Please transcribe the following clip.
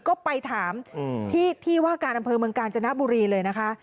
ก็ไปถามที่ว่าการอำเภอเมืองกาญจนบุรีเลยนะคะ